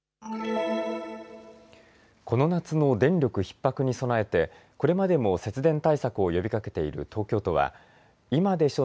この夏の電力ひっ迫に備えてこれまでも節電対策を呼びかけている東京都は今でしょ！